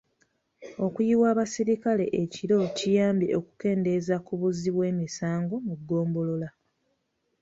Okuyiwa abasirikale ekiro kiyambye okukendeeza ku buzzi bw'emisango mu ggombolola.